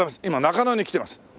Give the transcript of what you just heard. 今中野に来てます。